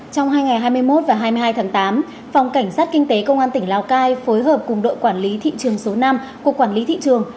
trong hai ngày hai mươi một và hai mươi hai tháng tám phòng cảnh sát kinh tế công an tỉnh lào cai phối hợp cùng đội quản lý thị trường số năm của quản lý thị trường